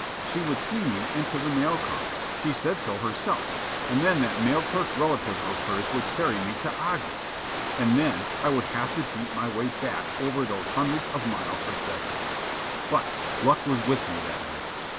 She would see me into the mail car she said so herself and then that mail clerk relative of hers would carry me to Ogden. And then I would have to beat my way back over all those hundreds of miles of desert. But luck was with me that night.